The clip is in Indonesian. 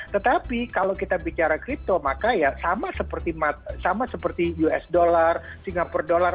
tetapi kalau kita bicara kripto maka ya sama seperti us dollar singapura dollar